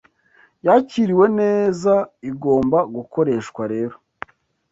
yakiriwe neza igomba gukoreshwa rero